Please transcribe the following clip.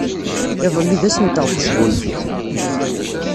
Iḍelli d ass-nteɣ n wesgunfu.